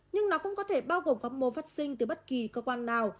nhưng nó cũng có thể bao gồm các môn phát sinh từ bất kỳ cơ quan nào